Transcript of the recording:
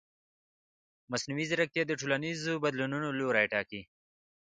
مصنوعي ځیرکتیا د ټولنیزو بدلونونو لوری ټاکي.